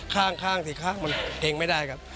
ข้างที่ข้างมันเกรงไม่ได้ครับ